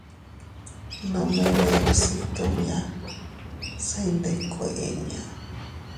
Nome bee bsitu bia, se iyndikkue inña.